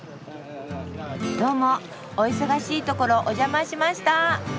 どうもお忙しいところお邪魔しました。